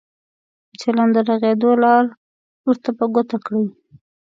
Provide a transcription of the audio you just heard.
د چلند د رغېدو لار ورته په ګوته کړئ.